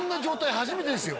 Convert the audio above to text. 初めてですよ